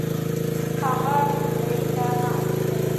هغه ډوډي ته ناست دي